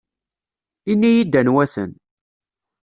Ini-iyi-d anwa-ten.